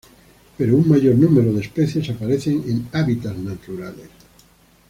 Pero un mayor número de especies aparecen en hábitats naturales.